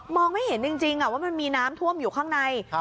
ไม่เห็นจริงว่ามันมีน้ำท่วมอยู่ข้างใน